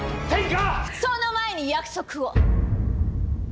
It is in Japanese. その前に約束を！